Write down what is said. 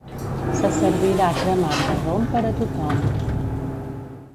Se servirà cremat de rom per a tothom